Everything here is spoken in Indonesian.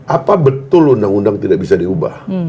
apa betul undang undang tidak bisa diubah